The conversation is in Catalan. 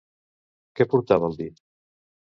Què portava al dit?